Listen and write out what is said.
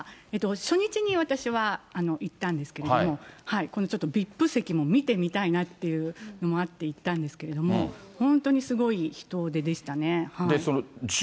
初日に私は行ったんですけれども、このちょっとＶＩＰ席も見てみたいなっていうのもあって行ったんですけれども、本当にすごい人出でしたね。